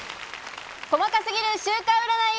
細かすぎる週間占い！